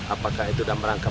apakah itu dalam rangka